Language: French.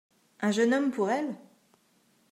Un jeune homme pour elle ?